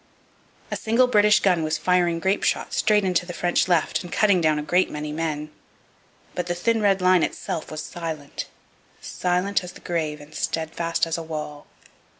A single British gun was firing grape shot straight into the French left and cutting down a great many men. But the thin red line itself was silent; silent as the grave and steadfast as a wall.